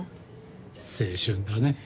青春だね。